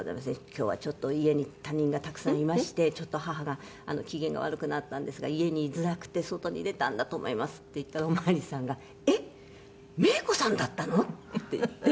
「今日はちょっと家に他人がたくさんいましてちょっと母が機嫌が悪くなったんですが家にいづらくて外に出たんだと思います」って言ったらお巡りさんが「えっメイコさんだったの？」って言って。